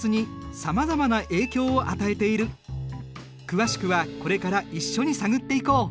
詳しくはこれから一緒に探っていこう。